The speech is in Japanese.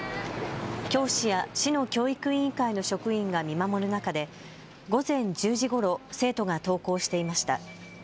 教師や市の教育委員会の職員が見守る中で午前１０時ごろ、生徒が登校していました。